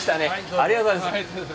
ありがとうございます。